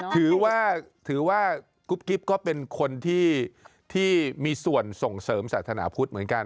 ถือว่าถือว่ากุ๊บกิ๊บก็เป็นคนที่มีส่วนส่งเสริมศาสนาพุทธเหมือนกัน